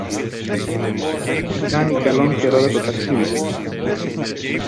Θα κάνει καλόν καιρό για το ταξίδι σας.